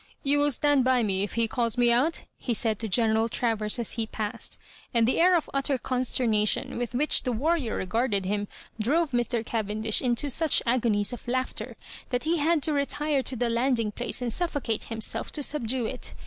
You will stand by me if he calls me Digitized by VjOOQ IC 116 MISS KABJOBIBANKa out?'* he aaid lo General Travers as he passed; and the air of utter consternation with which the warrior regarded him, droye Mr. Cayendish into such agonies of laughter, that he bad to retire to the landing place and suffocate himself to subdue it.